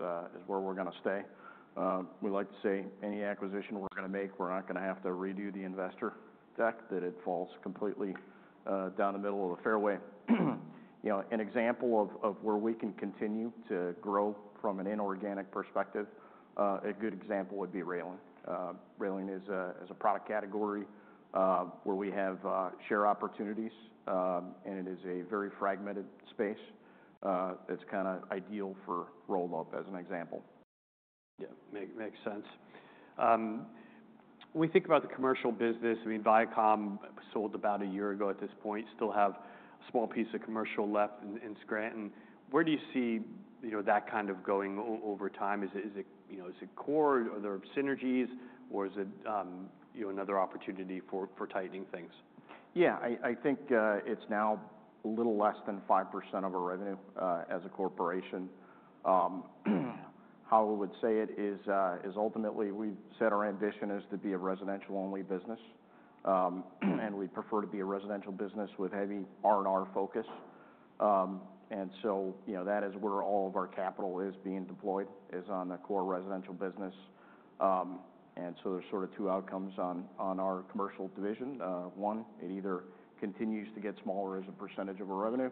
Large is where we're going to stay. We like to say any acquisition we're going to make, we're not going to have to redo the investor deck, that it falls completely down the middle of the fairway. You know, an example of where we can continue to grow from an inorganic perspective, a good example would be railing. Railing is a product category where we have share opportunities, and it is a very fragmented space. It's kind of ideal for roll-up as an example. Yeah, makes sense. When we think about the commercial business, I mean, Vycom sold about a year ago at this point, still have a small piece of commercial left in Scranton. Where do you see, you know, that kind of going over time? Is it, you know, is it core? Are there synergies? Or is it, you know, another opportunity for tightening things? Yeah, I think it's now a little less than 5% of our revenue, as a corporation. How I would say it is, ultimately we've set our ambition as to be a residential-only business. We prefer to be a residential business with heavy R&R focus. So, you know, that is where all of our capital is being deployed, on the core residential business. So there's sort of two outcomes on our commercial division. One, it either continues to get smaller as a percentage of our revenue,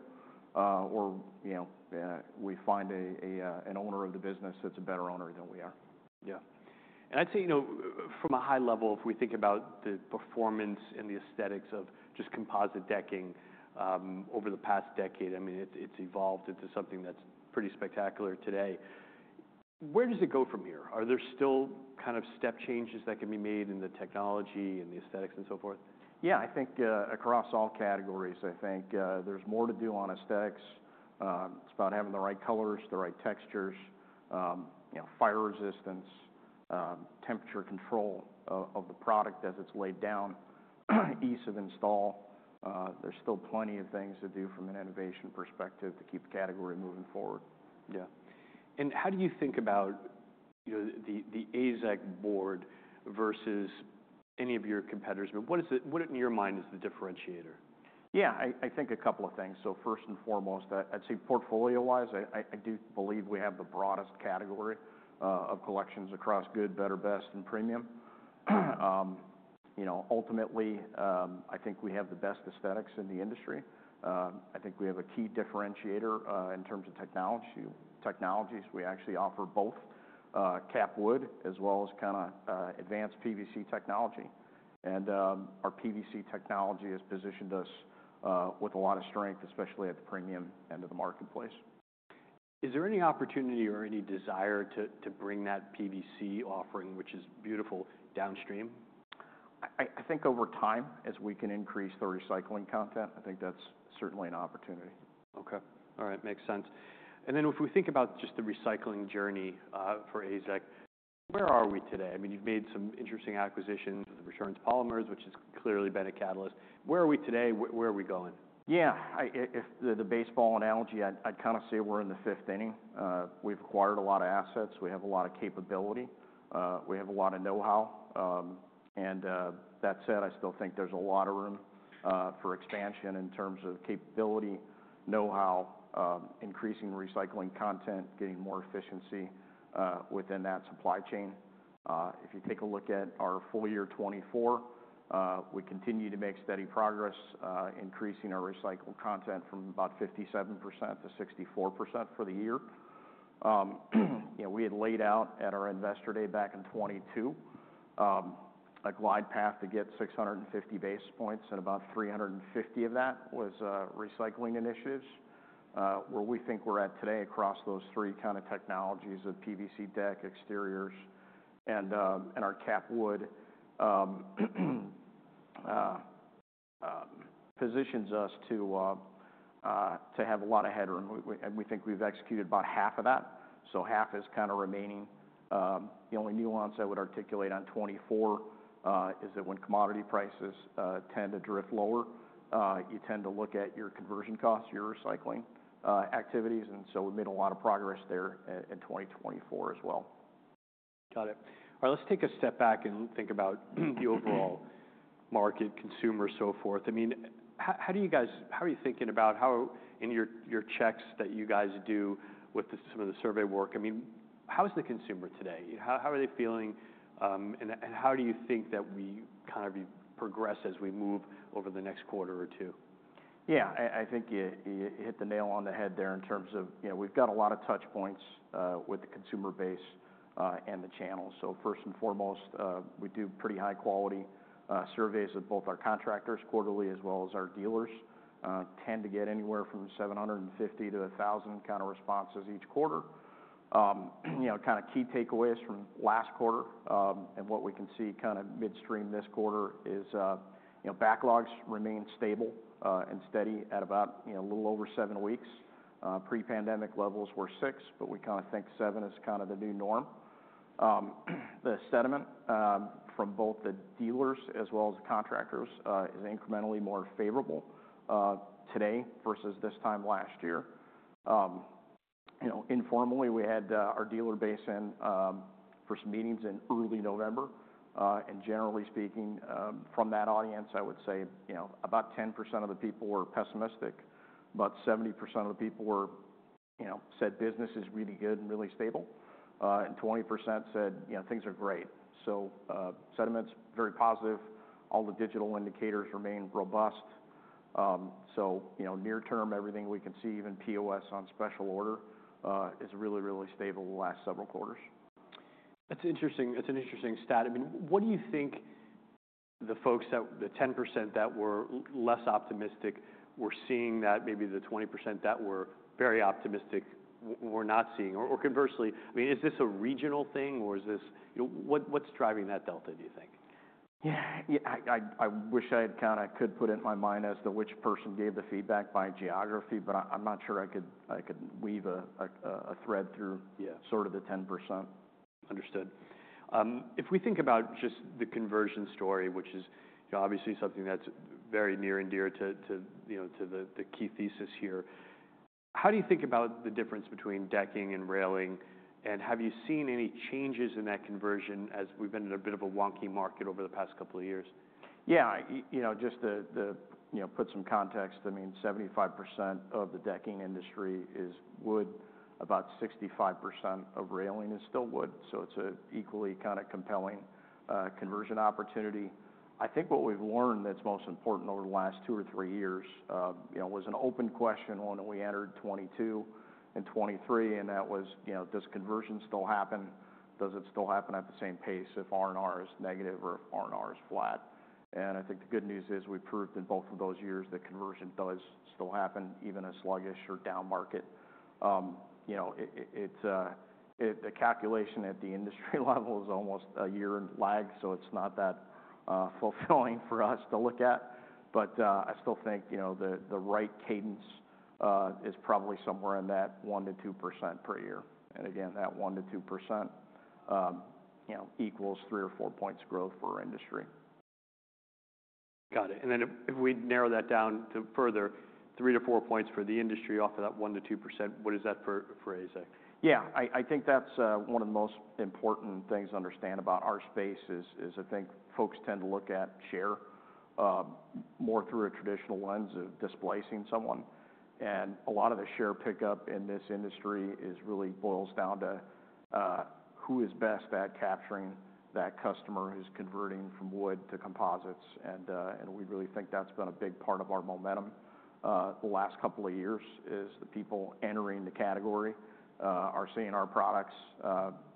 or, you know, we find an owner of the business that's a better owner than we are. Yeah. I'd say, you know, from a high level, if we think about the performance and the aesthetics of just composite decking, over the past decade, I mean, it's evolved into something that's pretty spectacular today. Where does it go from here? Are there still kind of step changes that can be made in the technology and the aesthetics and so forth? Yeah, I think, across all categories, I think, there's more to do on aesthetics. It's about having the right colors, the right textures, you know, fire resistance, temperature control of the product as it's laid down, ease of install. There's still plenty of things to do from an innovation perspective to keep the category moving forward. Yeah, and how do you think about, you know, the AZEK board versus any of your competitors? I mean, what is it, what in your mind is the differentiator? Yeah, I think a couple of things. So first and foremost, I'd say portfolio-wise, I do believe we have the broadest category of collections across good, better, best, and premium. You know, ultimately, I think we have the best aesthetics in the industry. I think we have a key differentiator in terms of technologies. We actually offer both cap wood as well as kind of advanced PVC technology, and our PVC technology has positioned us with a lot of strength, especially at the premium end of the marketplace. Is there any opportunity or any desire to, to bring that PVC offering, which is beautiful, downstream? I think over time, as we can increase the recycling content, I think that's certainly an opportunity. Okay. All right. Makes sense. And then if we think about just the recycling journey, for AZEK, where are we today? I mean, you've made some interesting acquisitions, the Return Polymers, which has clearly been a catalyst. Where are we today? Where are we going? Yeah, if the baseball analogy, I'd kind of say we're in the fifth inning. We've acquired a lot of assets. We have a lot of capability. We have a lot of know-how, and that said, I still think there's a lot of room for expansion in terms of capability, know-how, increasing recycling content, getting more efficiency within that supply chain. If you take a look at our full year 2024, we continue to make steady progress, increasing our recycled content from about 57%-64% for the year. You know, we had laid out at our investor day back in 2022 a glide path to get 650 basis points, and about 350 of that was recycling initiatives, where we think we're at today across those three kind of technologies of PVC deck, exteriors, and our cap wood positions us to have a lot of headroom. We and we think we've executed about half of that. So half is kind of remaining. The only nuance I would articulate on 2024 is that when commodity prices tend to drift lower, you tend to look at your conversion costs, your recycling activities. And so we made a lot of progress there in 2024 as well. Got it. All right. Let's take a step back and think about the overall market, consumer, so forth. I mean, how do you guys, how are you thinking about how in your checks that you guys do with some of the survey work? I mean, how is the consumer today? How are they feeling, and how do you think that we kind of progress as we move over the next quarter or two? Yeah, I think you hit the nail on the head there in terms of, you know, we've got a lot of touch points with the consumer base and the channels. So first and foremost, we do pretty high-quality surveys with both our contractors quarterly as well as our dealers. We tend to get anywhere from 750 to 1,000 kind of responses each quarter. You know, kind of key takeaways from last quarter, and what we can see kind of midstream this quarter is, you know, backlogs remain stable and steady at about, you know, a little over seven weeks. Pre-pandemic levels were six, but we kind of think seven is kind of the new norm. The sentiment from both the dealers as well as the contractors is incrementally more favorable today versus this time last year. You know, informally, we had our dealer base in for some meetings in early November. Generally speaking, from that audience, I would say, you know, about 10% of the people were pessimistic, about 70% of the people were, you know, said business is really good and really stable, and 20% said, you know, things are great. Sentiment's very positive. All the digital indicators remain robust. You know, near-term, everything we can see, even POS on special order, is really, really stable the last several quarters. That's interesting. That's an interesting stat. I mean, what do you think the folks that the 10% that were less optimistic were seeing that maybe the 20% that were very optimistic were not seeing? Or, conversely, I mean, is this a regional thing or is this, you know, what, what's driving that delta, do you think? Yeah, I wish I kind of could put it in my mind as to which person gave the feedback by geography, but I'm not sure I could weave a thread through. Yeah. Sort of the 10%. Understood. If we think about just the conversion story, which is, you know, obviously something that's very near and dear to, you know, to the key thesis here, how do you think about the difference between decking and railing? And have you seen any changes in that conversion as we've been in a bit of a wonky market over the past couple of years? Yeah, you know, just the you know put some context. I mean, 75% of the decking industry is wood. About 65% of railing is still wood. So it's an equally kind of compelling conversion opportunity. I think what we've learned that's most important over the last two or three years, you know, was an open question when we entered 2022 and 2023, and that was, you know, does conversion still happen? Does it still happen at the same pace if R&R is negative or if R&R is flat? And I think the good news is we proved in both of those years that conversion does still happen, even in a sluggish or down market. You know, it's the calculation at the industry level is almost a year in lag, so it's not that fulfilling for us to look at. But, I still think, you know, the right cadence is probably somewhere in that 1%-2% per year. And again, that 1%-2%, you know, equals three or four points growth for our industry. Got it, and then if we narrow that down to further three to four points for the industry off of that 1%-2%, what is that for AZEK? Yeah, I think that's one of the most important things to understand about our space is I think folks tend to look at share more through a traditional lens of displacing someone. And a lot of the share pickup in this industry really boils down to who is best at capturing that customer who's converting from wood to composites. And we really think that's been a big part of our momentum the last couple of years is the people entering the category are seeing our products,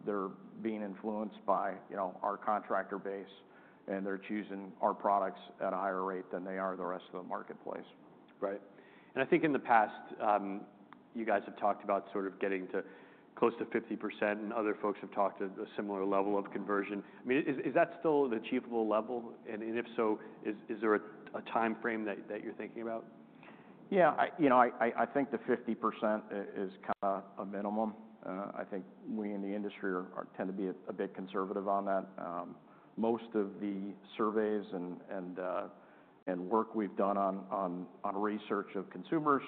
they're being influenced by you know our contractor base, and they're choosing our products at a higher rate than they are the rest of the marketplace. Right. And I think in the past, you guys have talked about sort of getting to close to 50%, and other folks have talked to a similar level of conversion. I mean, is that still an achievable level? And if so, is there a time frame that you're thinking about? Yeah, you know, I think the 50% is kind of a minimum. I think we in the industry tend to be a bit conservative on that. Most of the surveys and work we've done on research of consumers,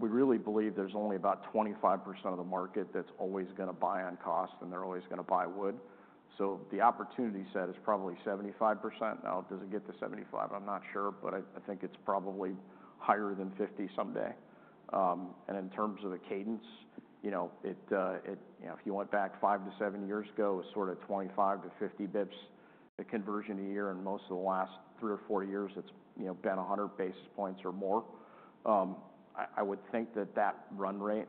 we really believe there's only about 25% of the market that's always going to buy on cost, and they're always going to buy wood. So the opportunity set is probably 75%. Now, does it get to 75%? I'm not sure, but I think it's probably higher than 50% someday. And in terms of the cadence, you know, if you went back five to seven years ago, it was sort of 25-50 basis points the conversion a year. And most of the last three or four years, it's, you know, been 100 basis points or more. I would think that run rate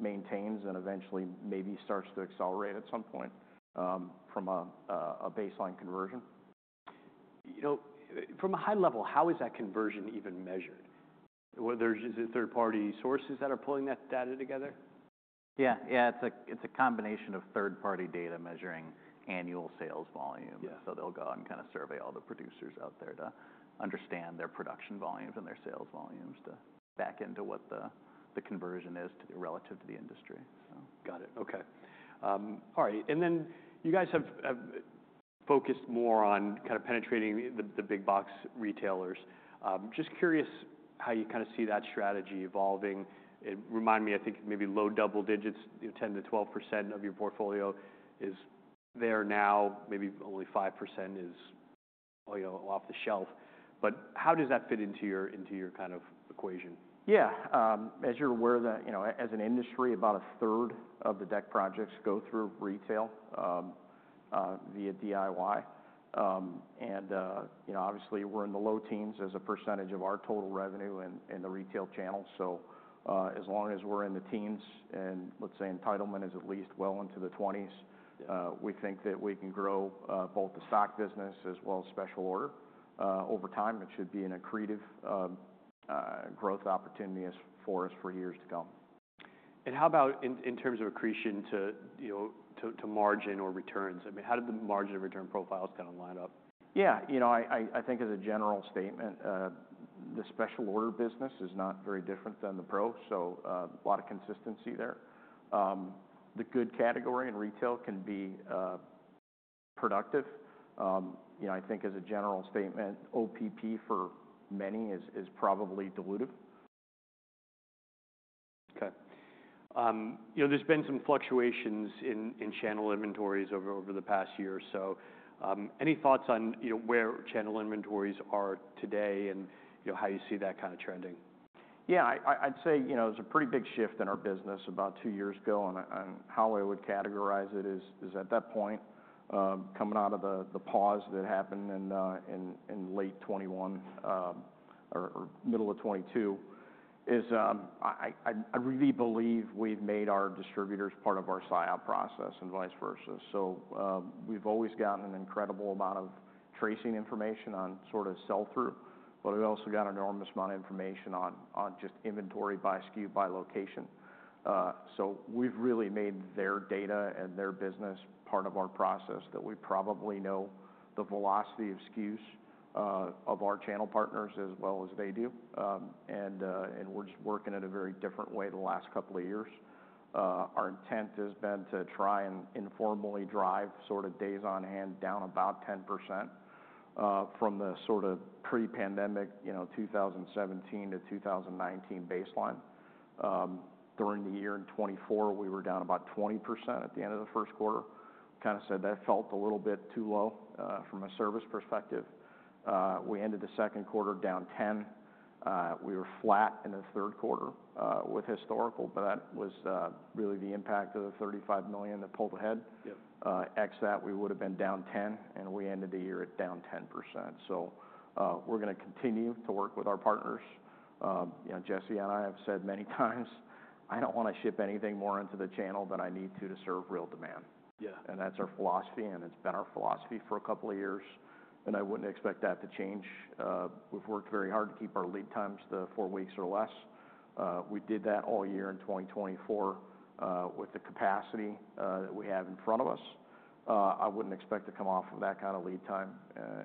maintains and eventually maybe starts to accelerate at some point, from a baseline conversion. You know, from a high level, how is that conversion even measured? Were there, or is it, third-party sources that are pulling that data together? Yeah, yeah, it's a combination of third-party data measuring annual sales volume. Yeah. They'll go out and kind of survey all the producers out there to understand their production volumes and their sales volumes to back into what the conversion is relative to the industry, so. Got it. Okay. All right. And then you guys have focused more on kind of penetrating the big box retailers. Just curious how you kind of see that strategy evolving. It reminds me, I think maybe low double digits, you know, 10%-12% of your portfolio is there now, maybe only 5% is, you know, off the shelf. But how does that fit into your kind of equation? Yeah, as you're aware that, you know, as an industry, about a third of the deck projects go through retail, via DIY. And, you know, obviously we're in the low teens as a percentage of our total revenue in the retail channel. So, as long as we're in the teens and let's say entitlement is at least well into the 20s. Yeah. We think that we can grow, both the stock business as well as special order, over time. It should be an accretive, growth opportunity for us for years to come. How about in terms of accretion to, you know, to margin or returns? I mean, how did the margin and return profiles kind of line up? Yeah, you know, I think as a general statement, the special order business is not very different than the pros. So, a lot of consistency there. The wood category in retail can be productive. You know, I think as a general statement, OPP for many is probably dilutive. Okay, you know, there's been some fluctuations in channel inventories over the past year or so. Any thoughts on, you know, where channel inventories are today and, you know, how you see that kind of trending? Yeah, I'd say, you know, it was a pretty big shift in our business about two years ago, and how I would categorize it is at that point, coming out of the pause that happened in late 2021, or middle of 2022, I really believe we've made our distributors part of our SIOP process and vice versa. So, we've always gotten an incredible amount of tracing information on sort of sell-through, but we've also got an enormous amount of information on just inventory by SKU, by location, so we've really made their data and their business part of our process that we probably know the velocity of SKUs, of our channel partners as well as they do, and we're just working at a very different way the last couple of years. Our intent has been to try and informally drive sort of days on hand down about 10%, from the sort of pre-pandemic, you know, 2017 to 2019 baseline. During the year in 2024, we were down about 20% at the end of the first quarter. Kind of said that felt a little bit too low, from a service perspective. We ended the second quarter down 10%. We were flat in the third quarter, with historical, but that was really the impact of the $35 million that pulled ahead. Yep. That we would have been down 10%, and we ended the year at down 10%. So, we're going to continue to work with our partners. You know, Jesse and I have said many times, "I don't want to ship anything more into the channel than I need to serve real demand. Yeah. That's our philosophy, and it's been our philosophy for a couple of years. I wouldn't expect that to change. We've worked very hard to keep our lead times to four weeks or less. We did that all year in 2024, with the capacity that we have in front of us. I wouldn't expect to come off of that kind of lead time,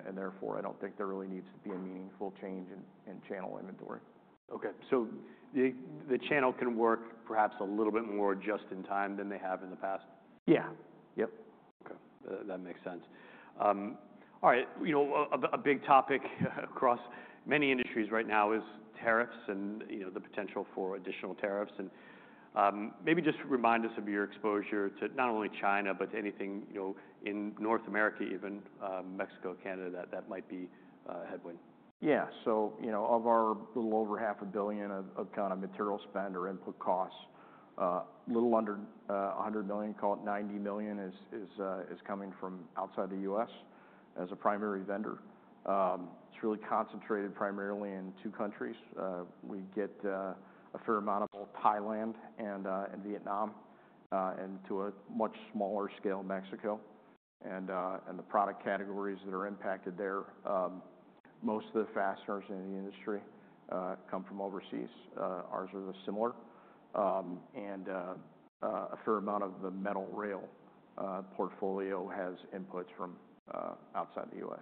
and therefore I don't think there really needs to be a meaningful change in channel inventory. Okay. So the channel can work perhaps a little bit more just in time than they have in the past? Yeah. Yep. Okay. That makes sense. All right. You know, a big topic across many industries right now is tariffs and, you know, the potential for additional tariffs, and maybe just remind us of your exposure to not only China, but to anything, you know, in North America even, Mexico, Canada, that might be a headwind. Yeah. So, you know, of our little over half a billion of kind of material spend or input costs, little under $100 million, call it $90 million is coming from outside the US as a primary vendor. It's really concentrated primarily in two countries. We get a fair amount of both Thailand and Vietnam, and to a much smaller scale Mexico. The product categories that are impacted there, most of the fasteners in the industry, come from overseas. Ours are the similar. A fair amount of the metal rail portfolio has inputs from outside the US.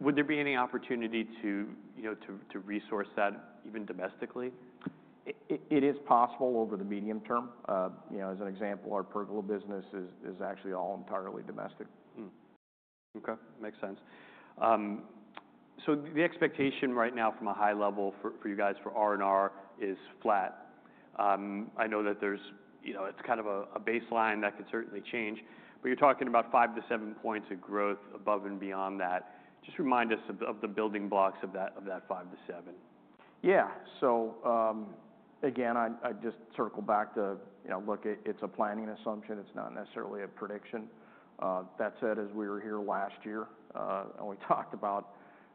Would there be any opportunity to, you know, to resource that even domestically? It is possible over the medium term. You know, as an example, our pergola business is actually all entirely domestic. Okay. Makes sense, so the expectation right now from a high level for you guys for R&R is flat. I know that there's, you know, it's kind of a baseline that could certainly change, but you're talking about five to seven points of growth above and beyond that. Just remind us of the building blocks of that five to seven. Yeah. So, again, I just circle back to, you know, look, it's a planning assumption. It's not necessarily a prediction. That said, as we were here last year, and we talked about,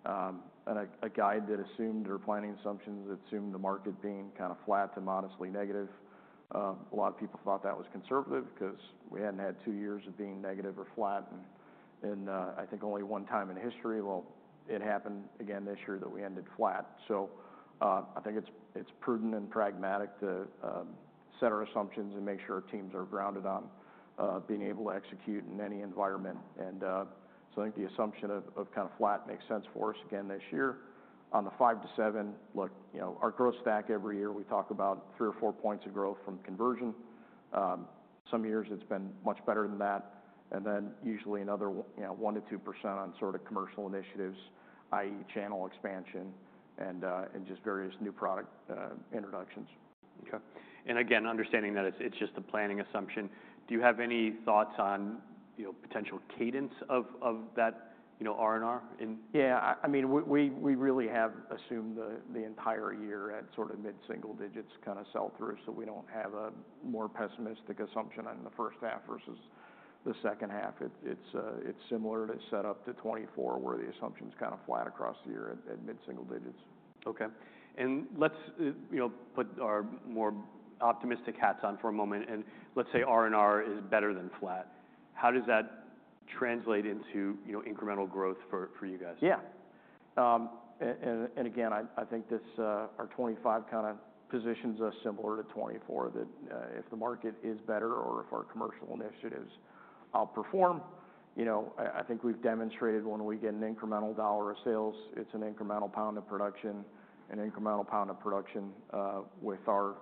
and a guy that assumed our planning assumptions assumed the market being kind of flat to modestly negative. A lot of people thought that was conservative because we hadn't had two years of being negative or flat. I think only one time in history, well, it happened again this year that we ended flat. So, I think it's prudent and pragmatic to set our assumptions and make sure our teams are grounded on being able to execute in any environment. So I think the assumption of kind of flat makes sense for us again this year. On the five to seven, look, you know, our growth stack every year, we talk about three or four points of growth from conversion. Some years it's been much better than that. And then usually another, you know, 1%-2% on sort of commercial initiatives, i.e., channel expansion and just various new product introductions. Okay. And again, understanding that it's just a planning assumption, do you have any thoughts on, you know, potential cadence of that, you know, R&R in? Yeah. I mean, we really have assumed the entire year at sort of mid-single digits kind of sell-through. So we don't have a more pessimistic assumption on the first half versus the second half. It's similar to set up to 2024 where the assumption's kind of flat across the year at mid-single digits. Okay. And let's, you know, put our more optimistic hats on for a moment. And let's say R&R is better than flat. How does that translate into, you know, incremental growth for you guys? Yeah. And again, I think this, our 2025 kind of positions us similar to 2024 that, if the market is better or if our commercial initiatives outperform, you know, I think we've demonstrated when we get an incremental dollar of sales, it's an incremental pound of production. An incremental pound of production, with our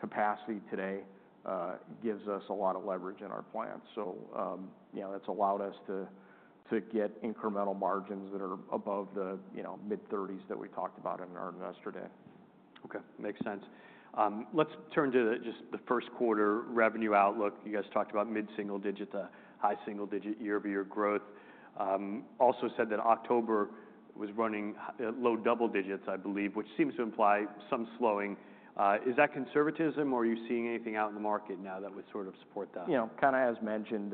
capacity today, gives us a lot of leverage in our plant. So, you know, that's allowed us to get incremental margins that are above the, you know, mid-30s that we talked about in our investor day. Okay. Makes sense. Let's turn to just the first quarter revenue outlook. You guys talked about mid-single-digit, the high single-digit year-over-year growth. Also said that October was running low double-digits, I believe, which seems to imply some slowing. Is that conservatism, or are you seeing anything out in the market now that would sort of support that? You know, kind of as mentioned,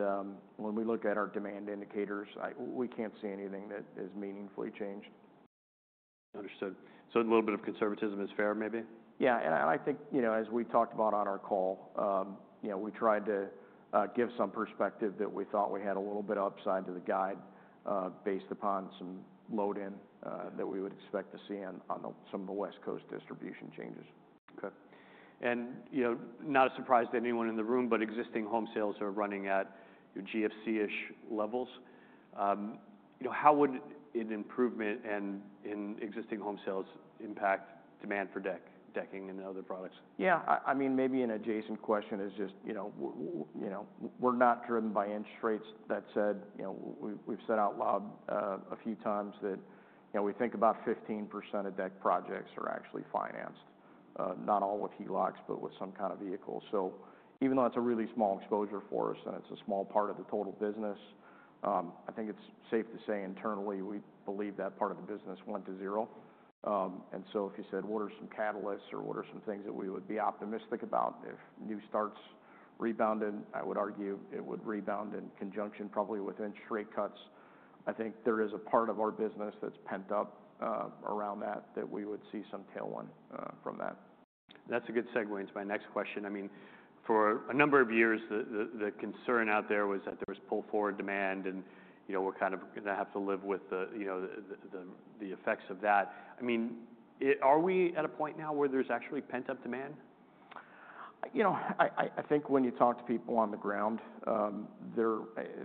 when we look at our demand indicators, we can't see anything that is meaningfully changed. Understood. So a little bit of conservatism is fair maybe? Yeah. I think, you know, as we talked about on our call, you know, we tried to give some perspective that we thought we had a little bit of upside to the guide, based upon some load in that we would expect to see on some of the West Coast distribution changes. Okay. And, you know, not a surprise to anyone in the room, but existing home sales are running at, you know, GFC-ish levels. You know, how would an improvement in existing home sales impact demand for decking and other products? Yeah. I mean, maybe an adjacent question is just, you know, we're not driven by interest rates. That said, you know, we've said out loud, a few times that, you know, we think about 15% of deck projects are actually financed, not all with HELOCs, but with some kind of vehicle. So even though it's a really small exposure for us and it's a small part of the total business, I think it's safe to say internally we believe that part of the business went to zero, and so if you said, "What are some catalysts or what are some things that we would be optimistic about if new starts rebounded?" I would argue it would rebound in conjunction probably with interest rate cuts. I think there is a part of our business that's pent up. Around that we would see some tailwind from that. That's a good segue into my next question. I mean, for a number of years, the concern out there was that there was pull forward demand and, you know, we're kind of going to have to live with the, you know, the effects of that. I mean, are we at a point now where there's actually pent-up demand? You know, I think when you talk to people on the ground there,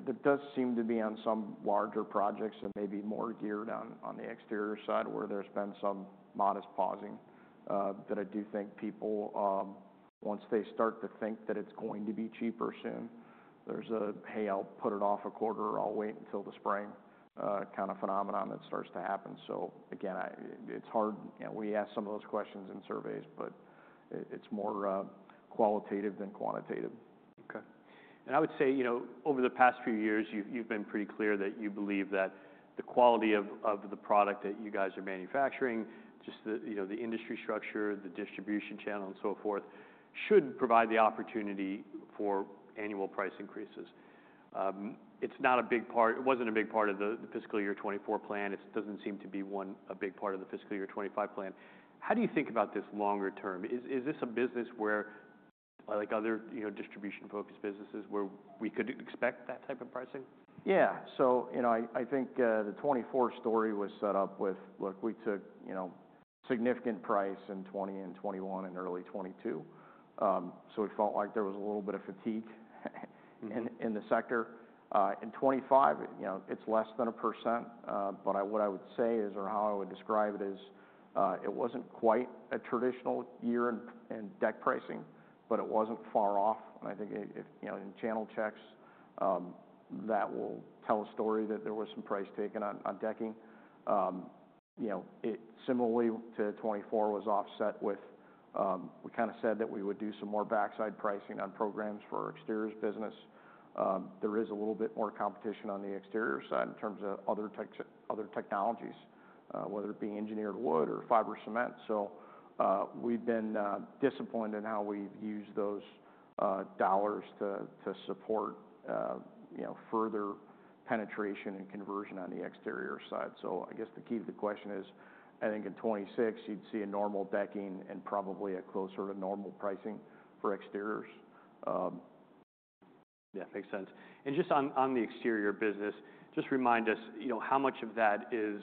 that does seem to be on some larger projects and maybe more geared on the exterior side where there's been some modest pausing, that I do think people, once they start to think that it's going to be cheaper soon, there's a, "Hey, I'll put it off a quarter or I'll wait until the spring," kind of phenomenon that starts to happen. So again, it's hard, you know, we ask some of those questions in surveys, but it's more qualitative than quantitative. Okay. And I would say, you know, over the past few years, you've been pretty clear that you believe that the quality of the product that you guys are manufacturing, just the, you know, the industry structure, the distribution channel, and so forth should provide the opportunity for annual price increases. It wasn't a big part of the fiscal year 2024 plan. It doesn't seem to be not a big part of the fiscal year 2025 plan. How do you think about this longer term? Is this a business where, like other, you know, distribution-focused businesses where we could expect that type of pricing? Yeah. So, you know, I think, the 2024 story was set up with, "Look, we took, you know, significant price in 2020 and 2021 and early 2022." So we felt like there was a little bit of fatigue in the sector. In 2025, you know, it's less than 1%. But what I would say is, or how I would describe it is, it wasn't quite a traditional year in deck pricing, but it wasn't far off. And I think if, you know, in channel checks, that will tell a story that there was some price taken on decking. You know, it similarly to 2024 was offset with, we kind of said that we would do some more backside pricing on programs for our exteriors business. There is a little bit more competition on the exterior side in terms of other tech, other technologies, whether it be engineered wood or fiber cement. So, we've been disciplined in how we've used those dollars to support, you know, further penetration and conversion on the exterior side. So I guess the key to the question is, I think in 2026 you'd see a normal decking and probably a closer to normal pricing for exteriors. Yeah. Makes sense. And just on the exterior business, just remind us, you know, how much of that is,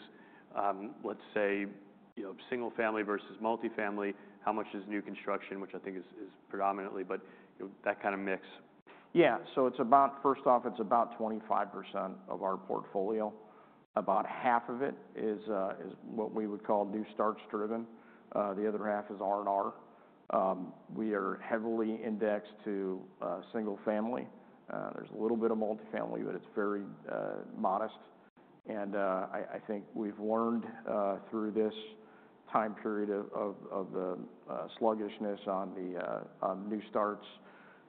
let's say, you know, single-family versus multi-family? How much is new construction, which I think is predominantly, but, you know, that kind of mix? Yeah. So it's about, first off, it's about 25% of our portfolio. About half of it is what we would call new starts driven. The other half is R&R. We are heavily indexed to single-family. There's a little bit of multi-family, but it's very modest. I think we've learned through this time period of the sluggishness on the new starts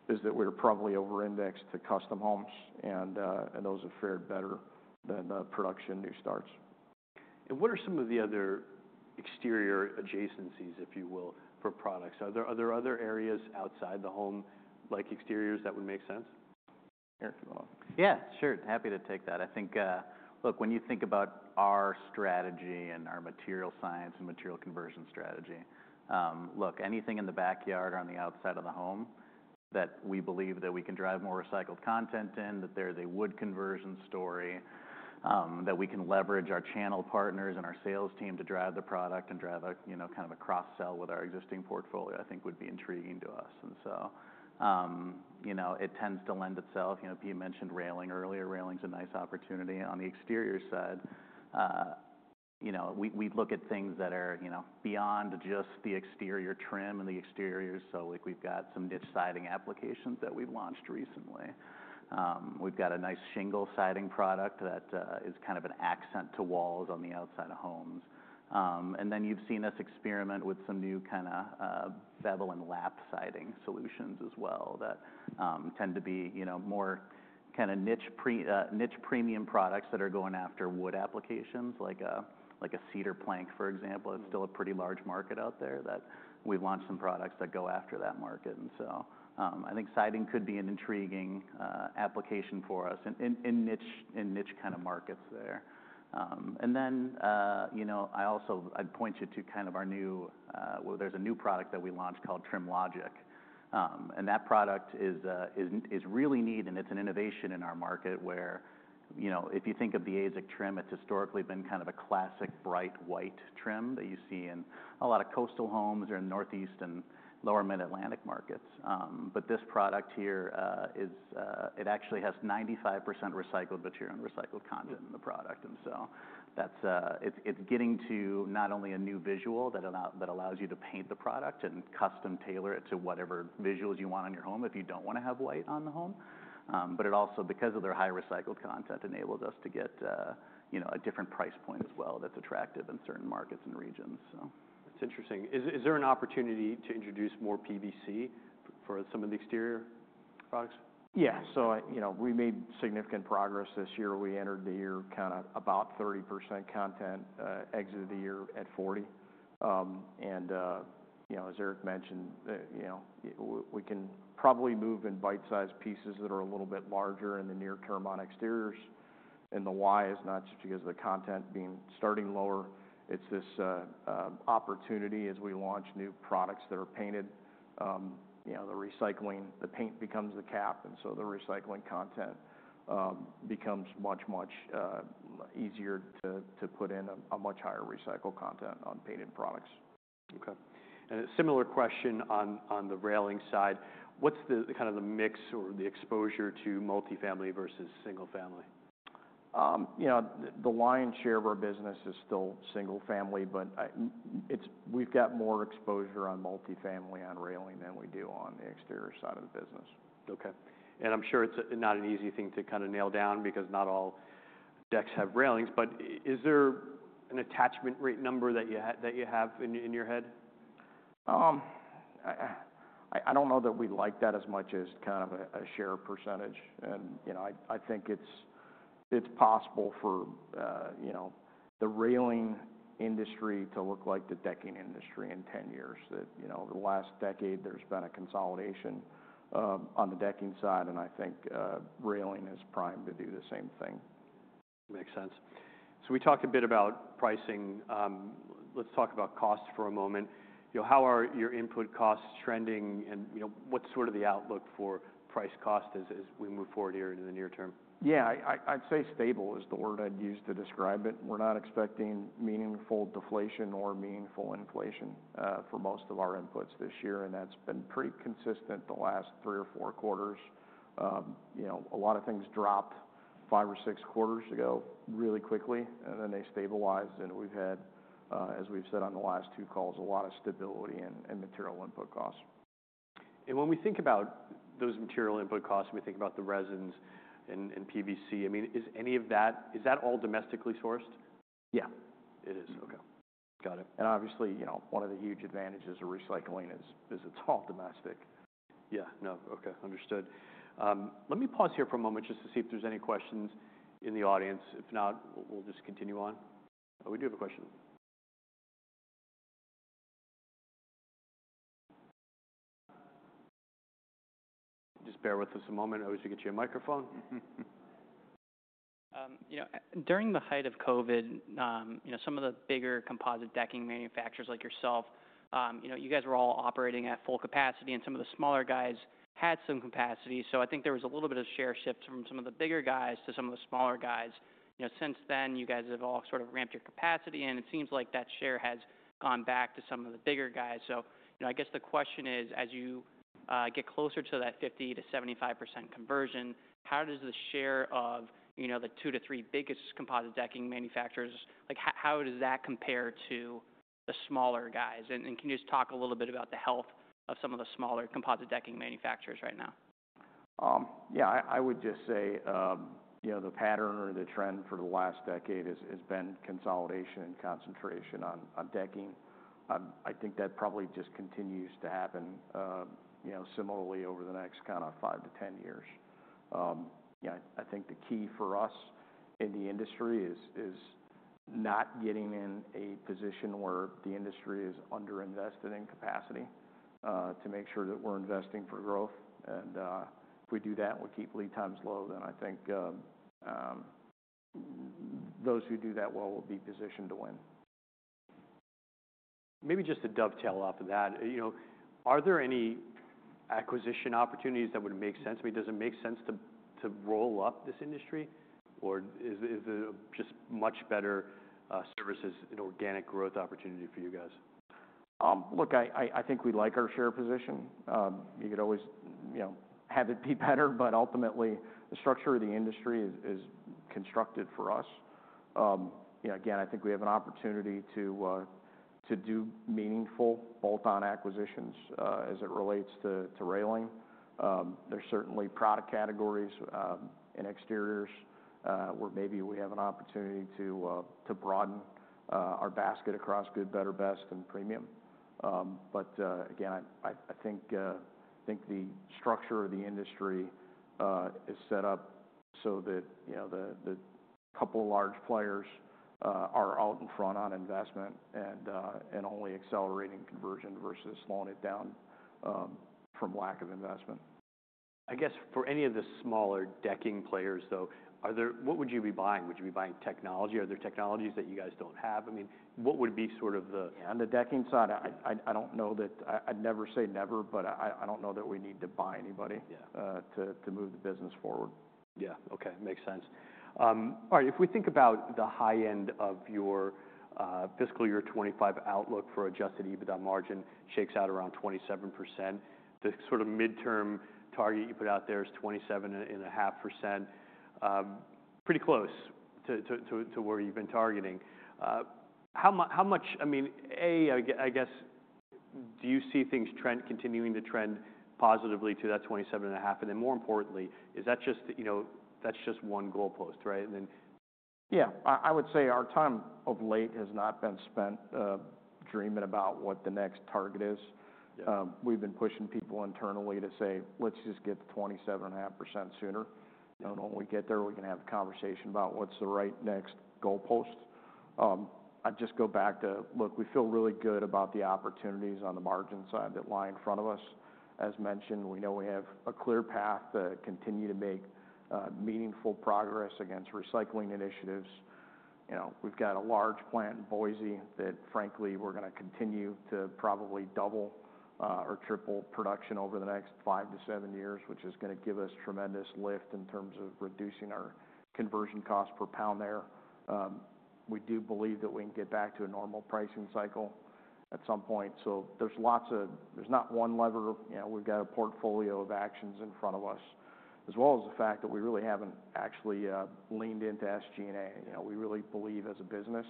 that we're probably over-indexed to custom homes, and those have fared better than the production new starts. What are some of the other exterior adjacencies, if you will, for products? Are there other areas outside the home, like exteriors, that would make sense? Erik, you want to? Yeah. Sure. Happy to take that. I think, look, when you think about our strategy and our material science and material conversion strategy, look, anything in the backyard or on the outside of the home that we believe that we can drive more recycled content in, that there's a wood conversion story, that we can leverage our channel partners and our sales team to drive the product and drive a, you know, kind of a cross-sell with our existing portfolio, I think would be intriguing to us. And so, you know, it tends to lend itself. You know, Pete mentioned railing earlier. Railing's a nice opportunity. On the exterior side, you know, we look at things that are, you know, beyond just the exterior trim and the exteriors. So like we've got some niche siding applications that we've launched recently. We've got a nice shingle siding product that is kind of an accent to walls on the outside of homes. And then you've seen us experiment with some new kind of bevel and lap siding solutions as well that tend to be, you know, more kind of niche premium products that are going after wood applications like a cedar plank, for example. It's still a pretty large market out there that we've launched some products that go after that market. And so, I think siding could be an intriguing application for us in niche kind of markets there. And then, you know, I also, I'd point you to kind of our new. Well, there's a new product that we launched called TrimLogic. And that product is really neat and it's an innovation in our market where, you know, if you think of the AZEK Trim, it's historically been kind of a classic bright white trim that you see in a lot of coastal homes or in Northeast and lower Mid-Atlantic markets. But this product here actually has 95% recycled material and recycled content in the product. And so that's getting to not only a new visual that allows you to paint the product and custom tailor it to whatever visuals you want on your home if you don't want to have white on the home. But it also, because of their high recycled content, enables us to get, you know, a different price point as well that's attractive in certain markets and regions. So. That's interesting. Is there an opportunity to introduce more PVC for some of the exterior products? Yeah, so you know, we made significant progress this year. We entered the year kind of about 30% content, exited the year at 40%. And, you know, as Erik mentioned, you know, we can probably move in bite-sized pieces that are a little bit larger in the near term on exteriors. And the why is not just because of the content being starting lower. It's this opportunity as we launch new products that are painted, you know, the recycling, the paint becomes the cap. And so the recycling content becomes much, much easier to put in a much higher recycled content on painted products. Okay. And a similar question on the railing side. What's the kind of mix or the exposure to multi-family versus single-family? You know, the lion's share of our business is still single-family, but it's, we've got more exposure on multi-family on railing than we do on the exterior side of the business. Okay. And I'm sure it's not an easy thing to kind of nail down because not all decks have railings. But is there an attachment rate number that you have in your head? I don't know that we'd like that as much as kind of a share percentage. And, you know, I think it's possible for, you know, the railing industry to look like the decking industry in 10 years, that, you know, over the last decade, there's been a consolidation on the decking side. And I think railing is primed to do the same thing. Makes sense. So we talked a bit about pricing. Let's talk about cost for a moment. You know, how are your input costs trending and, you know, what's sort of the outlook for price cost as we move forward here into the near term? Yeah. I'd say stable is the word I'd use to describe it. We're not expecting meaningful deflation or meaningful inflation for most of our inputs this year. And that's been pretty consistent the last three or four quarters. You know, a lot of things dropped five or six quarters ago really quickly, and then they stabilized. And we've had, as we've said on the last two calls, a lot of stability in material input costs. When we think about those material input costs and we think about the resins and PVC, I mean, is any of that, is that all domestically sourced? Yeah. It is. Okay. Got it. And obviously, you know, one of the huge advantages of recycling is it's all domestic. Yeah. No. Okay. Understood. Let me pause here for a moment just to see if there's any questions in the audience. If not, we'll, we'll just continue on. Oh, we do have a question. Just bear with us a moment. I always forget your microphone. You know, during the height of COVID, you know, some of the bigger composite decking manufacturers like yourself, you know, you guys were all operating at full capacity and some of the smaller guys had some capacity. So I think there was a little bit of share shift from some of the bigger guys to some of the smaller guys. You know, since then, you guys have all sort of ramped your capacity and it seems like that share has gone back to some of the bigger guys. So, you know, I guess the question is, as you get closer to that 50%-75% conversion, how does the share of, you know, the two to three biggest composite decking manufacturers, like, how does that compare to the smaller guys? Can you just talk a little bit about the health of some of the smaller composite decking manufacturers right now? Yeah, I would just say, you know, the pattern or the trend for the last decade has been consolidation and concentration on decking. I think that probably just continues to happen, you know, similarly over the next kind of five to 10 years. You know, I think the key for us in the industry is not getting in a position where the industry is under-invested in capacity, to make sure that we're investing for growth. And if we do that and we keep lead times low, then I think those who do that well will be positioned to win. Maybe just to dovetail off of that, you know, are there any acquisition opportunities that would make sense? I mean, does it make sense to roll up this industry or is it just much better, services and organic growth opportunity for you guys? Look, I think we like our share position. You could always, you know, have it be better, but ultimately the structure of the industry is constructed for us. You know, again, I think we have an opportunity to do meaningful bolt-on acquisitions, as it relates to railing. There's certainly product categories, in exteriors, where maybe we have an opportunity to broaden our basket across good, better, best, and premium. But, again, I think the structure of the industry is set up so that, you know, the couple of large players are out in front on investment and only accelerating conversion versus slowing it down, from lack of investment. I guess for any of the smaller decking players though, are there what would you be buying? Would you be buying technology? Are there technologies that you guys don't have? I mean, what would be sort of the. Yeah. On the decking side, I don't know that I'd never say never, but I don't know that we need to buy anybody. Yeah. to move the business forward. Yeah. Okay. Makes sense. All right. If we think about the high end of your fiscal year 2025 outlook for adjusted EBITDA margin shakes out around 27%. The sort of midterm target you put out there is 27.5%. Pretty close to where you've been targeting. How much, I mean, I guess, do you see things trend continuing to trend positively to that 27.5%? And then more importantly, is that just, you know, that's just one goalpost, right? And then. Yeah. I would say our time of late has not been spent dreaming about what the next target is. Yeah. We've been pushing people internally to say, "Let's just get to 27.5% sooner. Yeah. When we get there, we can have a conversation about what's the right next goalpost. I just go back to, look, we feel really good about the opportunities on the margin side that lie in front of us. As mentioned, we know we have a clear path to continue to make meaningful progress against recycling initiatives. You know, we've got a large plant in Boise that, frankly, we're going to continue to probably double or triple production over the next five to seven years, which is going to give us tremendous lift in terms of reducing our conversion cost per pound there. We do believe that we can get back to a normal pricing cycle at some point. So, there's lots of. There's not one lever, you know. We've got a portfolio of actions in front of us, as well as the fact that we really haven't actually leaned into SG&A. You know, we really believe as a business,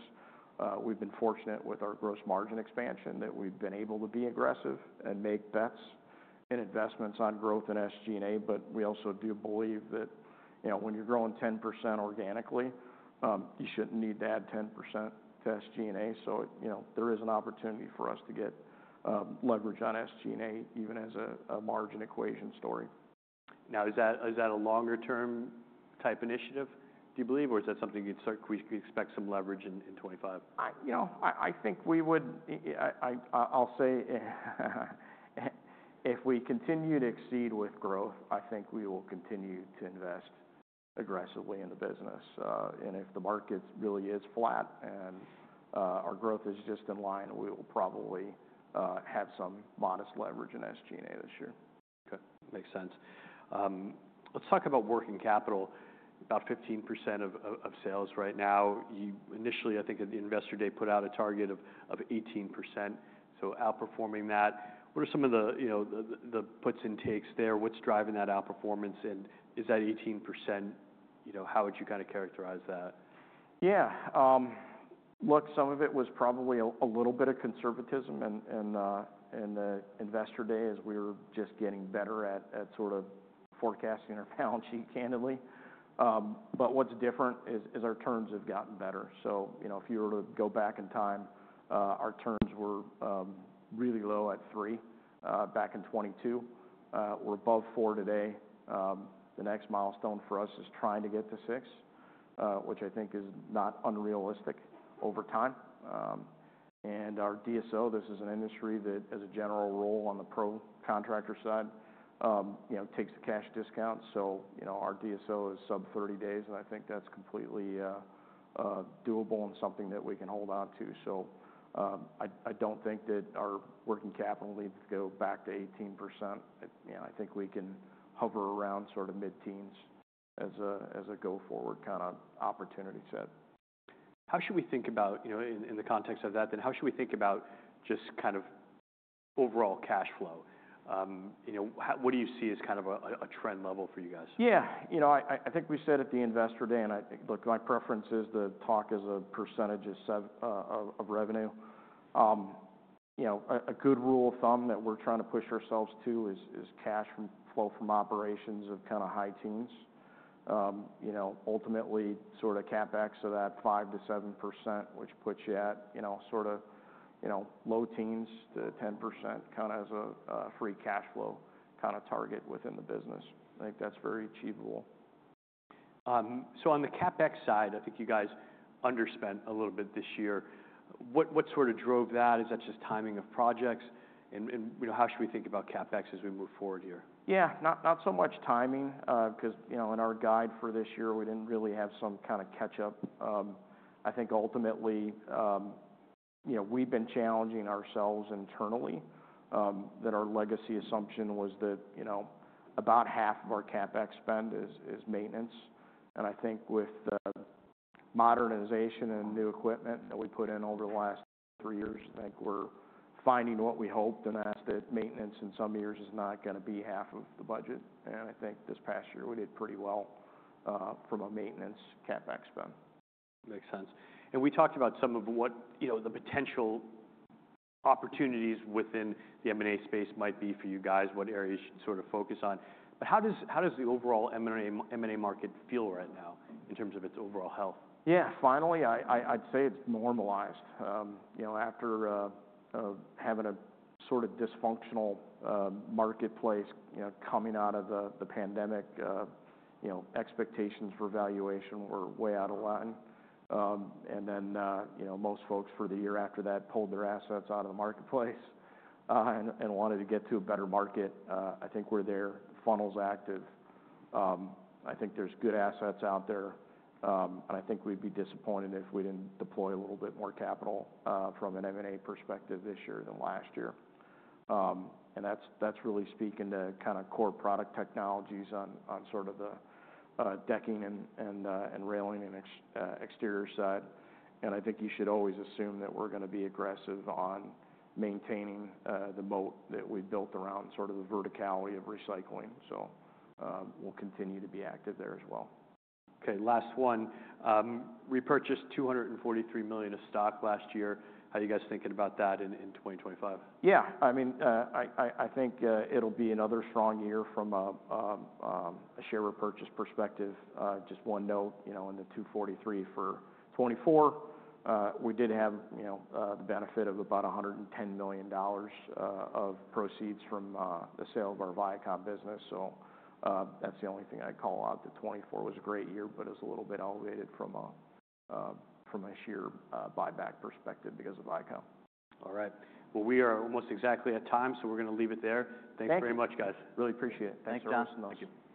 we've been fortunate with our gross margin expansion that we've been able to be aggressive and make bets and investments on growth in SG&A. But we also do believe that, you know, when you're growing 10% organically, you shouldn't need to add 10% to SG&A. So, you know, there is an opportunity for us to get leverage on SG&A even as a margin equation story. Now, is that, is that a longer-term type initiative, do you believe, or is that something you'd start, we could expect some leverage in, in 2025? I, you know, I think we would, I'll say if we continue to exceed with growth, I think we will continue to invest aggressively in the business, and if the market really is flat and our growth is just in line, we will probably have some modest leverage in SG&A this year. Okay. Makes sense. Let's talk about working capital. About 15% of sales right now. You initially, I think at the investor day, put out a target of 18%. So outperforming that, what are some of the, you know, the puts and takes there? What's driving that outperformance? And is that 18%, you know, how would you kind of characterize that? Yeah. Look, some of it was probably a little bit of conservatism and the investor day as we were just getting better at sort of forecasting our balance sheet, candidly, but what's different is our terms have gotten better. So, you know, if you were to go back in time, our terms were really low at three back in 2022. We're above four today. The next milestone for us is trying to get to six, which I think is not unrealistic over time, and our DSO, this is an industry that, as a general rule on the pro contractor side, you know, takes the cash discount. So, you know, our DSO is sub 30 days. And I think that's completely doable and something that we can hold on to. I don't think that our working capital needs to go back to 18%. You know, I think we can hover around sort of mid-teens as a, as a go forward kind of opportunity set. How should we think about, you know, in the context of that, then how should we think about just kind of overall cash flow? You know, how, what do you see as kind of a trend level for you guys? Yeah. You know, I think we said at the investor day, and I, look, my preference is to talk is a percentage of rev, of revenue. You know, a good rule of thumb that we're trying to push ourselves to is cash flow from operations of kind of high teens. You know, ultimately sort of CapEx of that 5%-7%, which puts you at, you know, sort of, low teens to 10% kind of as a free cash flow kind of target within the business. I think that's very achievable. So on the CapEx side, I think you guys underspent a little bit this year. What sort of drove that? Is that just timing of projects? And, you know, how should we think about CapEx as we move forward here? Yeah. Not so much timing, because, you know, in our guide for this year, we didn't really have some kind of catch-up. I think ultimately, you know, we've been challenging ourselves internally, that our legacy assumption was that, you know, about half of our CapEx spend is maintenance. And I think with the modernization and new equipment that we put in over the last three years, I think we're finding what we hoped and that maintenance in some years is not going to be half of the budget. And I think this past year we did pretty well, from a maintenance CapEx spend. Makes sense. And we talked about some of what, you know, the potential opportunities within the M&A space might be for you guys, what areas you should sort of focus on. But how does the overall M&A market feel right now in terms of its overall health? Yeah. Finally, I'd say it's normalized, you know, after having a sort of dysfunctional marketplace, you know, coming out of the pandemic, you know, expectations for valuation were way out of line, and then, you know, most folks for the year after that pulled their assets out of the marketplace and wanted to get to a better market. I think we're there. The funnel's active. I think there's good assets out there, and I think we'd be disappointed if we didn't deploy a little bit more capital from an M&A perspective this year than last year, and that's really speaking to kind of core product technologies on sort of the decking and railing and exterior side. I think you should always assume that we're going to be aggressive on maintaining the boat that we built around sort of the verticality of recycling. So, we'll continue to be active there as well. Okay. Last one. Repurchased $243 million of stock last year. How are you guys thinking about that in 2025? Yeah. I mean, I think it'll be another strong year from a share repurchase perspective. Just one note, you know, on the $243 million for 2024. We did have, you know, the benefit of about $110 million of proceeds from the sale of our Vycom business. So, that's the only thing I'd call out. The 2024 was a great year, but it was a little bit elevated from a share buyback perspective because of Vycom. All right. Well, we are almost exactly at time, so we're going to leave it there. Thanks very much, guys. Really appreciate it. Thanks, Jonathan. Thanks, Jonathan. Thank you.